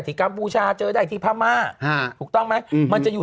กัมพูชาเจอได้ที่พม่าถูกต้องไหมมันจะอยู่